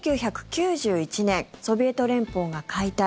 １９９１年ソビエト連邦が解体。